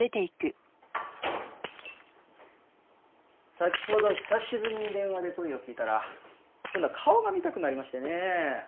・先ほど久しぶりに電話で声を聞いたら今度は顔が見たくなりましてね。